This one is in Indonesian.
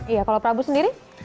iya kalau prabu sendiri